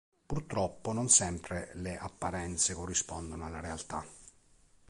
Purtroppo non sempre le apparenze corrispondono alla realtà.